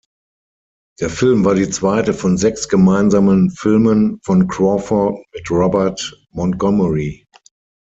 Der Film war die zweite von sechs gemeinsamen Filmen von Crawford mit Robert Montgomery.